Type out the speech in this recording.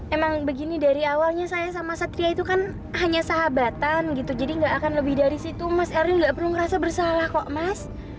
emang begini dari awalnya saya sama satria itu kan hanya sahabatan gitu jadi nggak akan lebih dari situ mas eril nggak perlu ngerasa bersalah kok mas